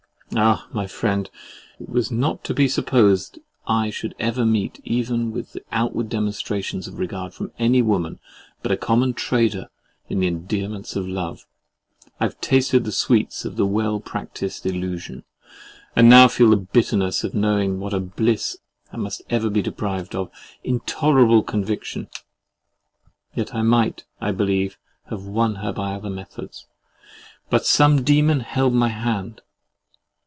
Ah! my friend, it was not to be supposed I should ever meet even with the outward demonstrations of regard from any woman but a common trader in the endearments of love! I have tasted the sweets of the well practiced illusion, and now feel the bitterness of knowing what a bliss I am deprived of, and must ever be deprived of. Intolerable conviction! Yet I might, I believe, have won her by other methods; but some demon held my hand.